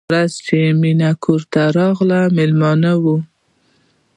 یوه ورځ چې مینه کور ته راغله مېلمانه وو